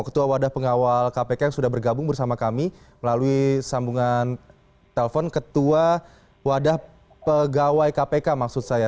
ketua wadah pengawal kpk yang sudah bergabung bersama kami melalui sambungan telepon ketua wadah pegawai kpk maksud saya